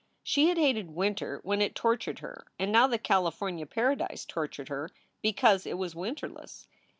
She had hated winter when it tortured her, and now the California paradise tortured her because it was winterless.